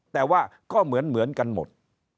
แต่ว่าก็เหมือนเหมือนกันหมด